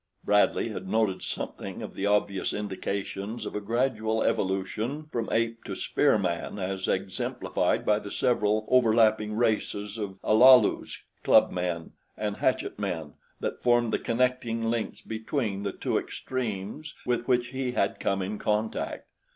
Bradley had noted something of the obvious indications of a gradual evolution from ape to spearman as exemplified by the several overlapping races of Alalus, club men and hatchet men that formed the connecting links between the two extremes with which he, had come in contact.